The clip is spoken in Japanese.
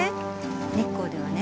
日光ではね